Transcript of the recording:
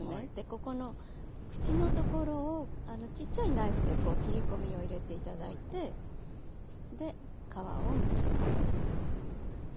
ここの口の所をちっちゃいナイフでこう切り込みを入れて頂いて皮をむきます。